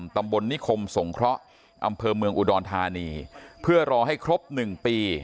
ตำบลนิคมสงเคราะห์อำเภอเมืองอุดรธานีเพื่อรอให้ครบ๑ปี